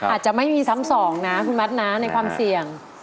อาจจะไม่มีซ้ำสองนะคุณมัดนะในความเสี่ยง